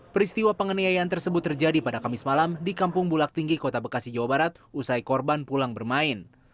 peristiwa pengeniaian tersebut terjadi pada kamis malam di kampung bulak tinggi kota bekasi jawa barat usai korban pulang bermain